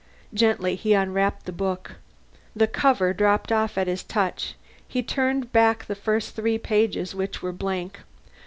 Gently he unwrapped the book. The cover dropped off at his touch; he turned back the first three pages, which were blank.